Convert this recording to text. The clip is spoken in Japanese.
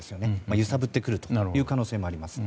揺さぶってくる可能性もあります。